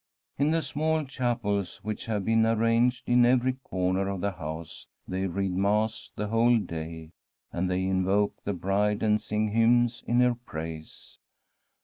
In the small chapels which have been arranged in every comer of the house they read Mass the whole day, and they invoke the bride and sing hymns in her praise.